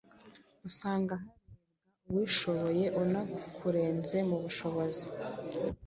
usanga harebwa uwishoboye unakurenze mu bushobozi,